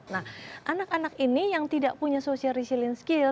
nah anak anak ini yang tidak punya social resilience skill